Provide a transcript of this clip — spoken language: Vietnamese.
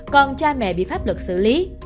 còn cha mẹ bị pháp luật xử lý